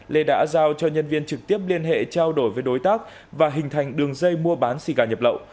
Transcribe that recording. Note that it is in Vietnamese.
lê đã giao cho nhân viên trực tiếp liên hệ trao đổi với đối tác và hình thành đường dây mua bán xì gà nhập lậu